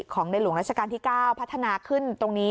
ของในหลวงราชการที่๙พัฒนาขึ้นตรงนี้